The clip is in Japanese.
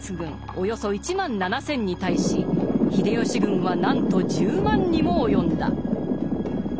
およそ１万７，０００に対し秀吉軍はなんと１０万にも及んだ。